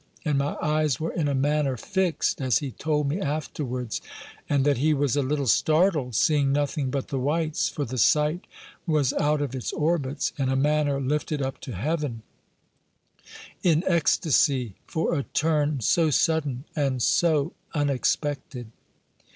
And my eyes were in a manner fixed, as he told me afterwards; and that he was a little startled, seeing nothing but the whites; for the sight was out of its orbits, in a manner lifted up to heaven in ecstasy for a turn so sudden, and so unexpected!